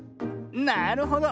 なるほど。